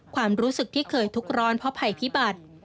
ความรู้สึกที่เคยทุกข์ร้อนเพราะภัยพิบัติ